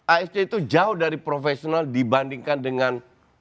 asj itu jauh dari profesional dibandingkan dengan